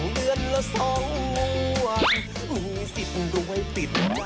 เด็ดสักตัว